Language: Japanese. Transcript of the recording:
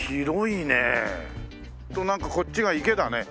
あとなんかこっちが池だね。